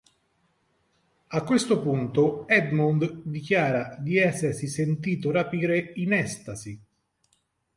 A questo punto Edmund dichiara di essersi sentito rapire in estasi.